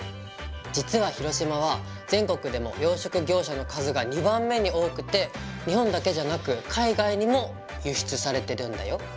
実は広島は全国でも養殖業者の数が２番目に多くて日本だけじゃなく海外にも輸出されてるんだよ。